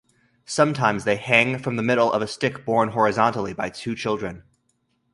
Sometimes they hang from the middle of a stick borne horizontally by two children.